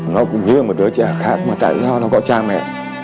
nó cũng như là một đứa trẻ khác mà tại sao nó có cha mẹ